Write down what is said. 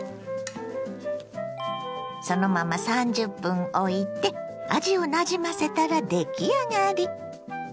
そのまま３０分おいて味をなじませたら出来上がり。